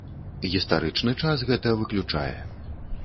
Гістарычны час гэта выключае.